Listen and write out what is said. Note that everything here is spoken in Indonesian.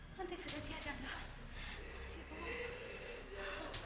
nanti sederhana dia ada